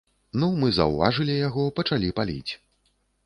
Ну, мы заўважылі яго, пачалі паліць.